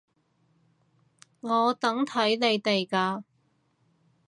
我等睇你哋㗎